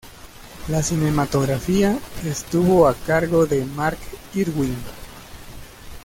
La cinematografía estuvo a cargo de Mark Irwin.